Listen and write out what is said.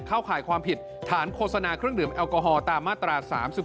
ข่ายความผิดฐานโฆษณาเครื่องดื่มแอลกอฮอลตามมาตรา๓๔